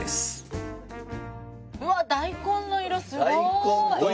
うわっ大根の色すごい！